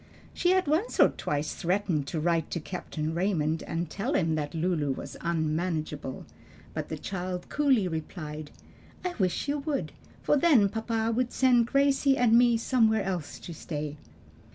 She had once or twice threatened to write to Captain Raymond and tell him that Lulu was unmanageable, but the child coolly replied, "I wish you would; for then papa would send Gracie and me somewhere else to stay."